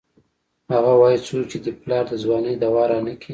اگه وايي څو چې دې پلار د ځوانۍ دوا رانکي.